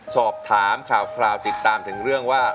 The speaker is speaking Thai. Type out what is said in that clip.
สอบถามข่าวติดตามถึงเรื่องว่า